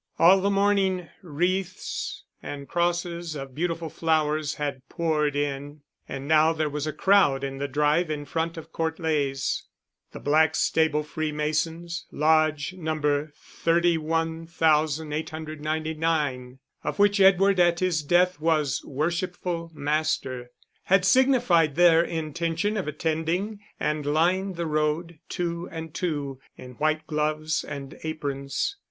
All the morning wreaths and crosses of beautiful flowers had poured in, and now there was a crowd in the drive in front of Court Leys. The Blackstable Freemasons (Lodge No. 31,899), of which Edward at his death was Worshipful Master, had signified their intention of attending, and lined the road, two and two, in white gloves and aprons.